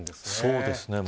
そうですね。